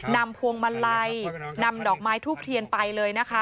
นำพวงมะไลนำดอกไม้ทูบเทียนไปเลย